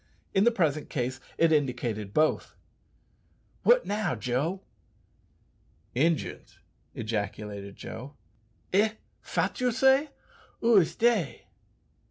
In the present case it indicated both. "What now, Joe?" "Injuns!" ejaculated Joe. "Eh! fat you say? Ou is dey?"